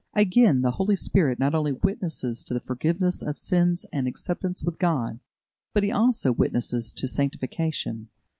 Again, the Holy Spirit not only witnesses to the forgiveness of sins and acceptance with God, but He also witnesses to sanctification.